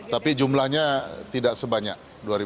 tapi jumlahnya tidak sebanyak dua ribu delapan belas